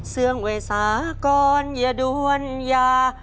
เสื่องไว้สาก่อนอย่าด้วยดวนยา